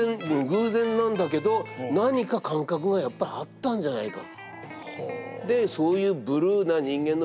偶然なんだけど何か感覚がやっぱりあったんじゃないか。